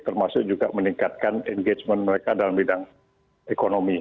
termasuk juga meningkatkan engagement mereka dalam bidang ekonomi